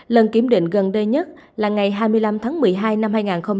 lần kiểm định gần đây nhất là ngày hai mươi năm tháng một mươi hai năm hai nghìn hai mươi ba